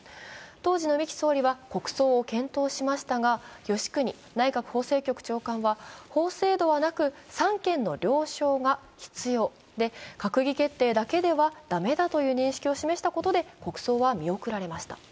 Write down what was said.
当時の三木総理は国葬を検討しましたが、吉国内閣法制局長官は、法制度はなく、三権の了承が必要で、閣議決定だけでは駄目だという認識を示したことで国葬は見送られました。